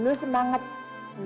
lu semangat mak